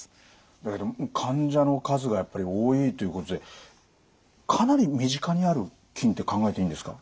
だけど患者の数がやっぱり多いということでかなり身近にある菌って考えていいんですか？